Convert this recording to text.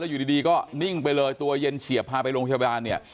อยู่ดีก็นิ่งไปเลยตัวเย็นเฉียบพาไปโรงพยาบาลเนี่ย